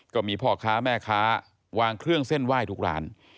ก็มีพ่อค้าแม่ค้าวางเครื่องเส้นไหว้ทุกร้าน